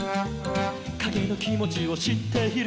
「かげのきもちをしっている」